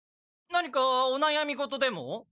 何かおなやみごとでも？